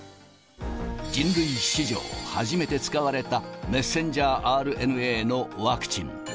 人類史上初めて使われたメッセンジャーＲＮＡのワクチン。